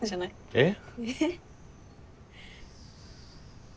えっ？